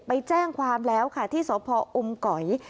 ไปแจ้งความแล้วค่ะที่สพออมก๋อย